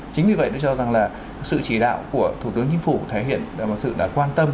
chính vì vậy tôi cho rằng là sự chỉ đạo của thủ tướng chính phủ thể hiện sự đã quan tâm